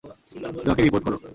ডকে report করো।